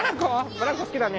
ブランコ好きだね。